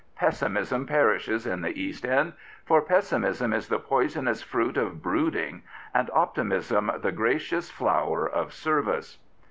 Pessimism perishes in the East End, for pessimism is the poisonous fruit of brooding and optimism the gracious flower of service.